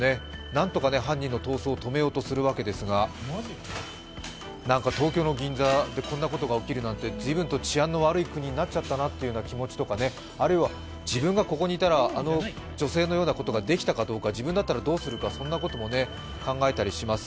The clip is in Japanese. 何とか犯人の逃走を止めようとするんですが、東京の銀座でこんなことが起きるなんて、随分と治安の悪い国になっちゃったなという気持ちとか、あるいは自分がここにいたらあの女性のようなことができたかどうか、自分だったらどうするか、そんなことも考えたりします。